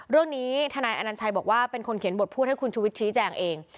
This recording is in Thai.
ทนายอนัญชัยบอกว่าเป็นคนเขียนบทพูดให้คุณชุวิตชี้แจงเอง